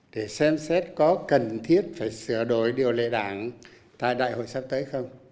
để xem xét có cần thiết phải sửa đổi điều lệ đảng tại đại hội sắp tới không